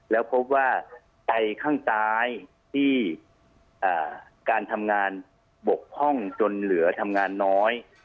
แล้วพบว่าไตข้างซ้ายที่การทำงานบกพร่องจนเหลือทำงานน้อย